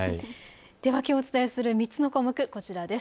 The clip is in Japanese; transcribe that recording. ではきょうお伝えする３つの項目こちらです。